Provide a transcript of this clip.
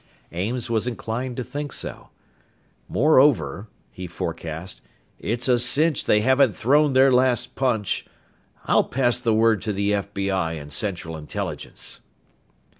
Ames was inclined to think so. "Moreover," he forecast, "it's a cinch they haven't thrown their last punch. I'll pass the word to the FBI and Central Intelligence."